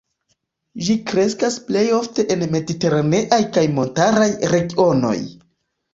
Ĝi kreskas plej ofte en mediteraneaj kaj montaraj regionoj.